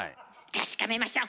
確かめましょう。